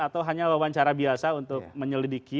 atau hanya melakukan cara biasa untuk menyelidiki